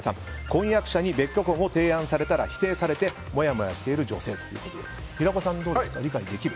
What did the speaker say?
婚約者に別居婚を提案したら否定されてもやもやしている女性ということですが平子さんはどうですか？